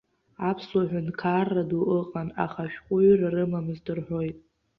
Аԥсуа ҳәынҭқарра ду ыҟан, аха ашәҟәыҩҩра рымамызт рҳәоит.